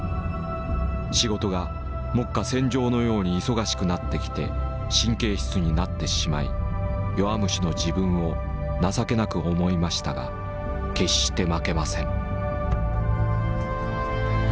仕事が目下戦場のように忙しくなってきて神経質になってしまい弱虫の自分を情けなく思いましたが決してまけません」。